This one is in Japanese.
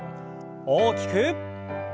大きく。